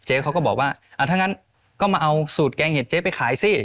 เขาก็บอกว่าถ้างั้นก็มาเอาสูตรแกงเห็ดเจ๊ไปขายสิ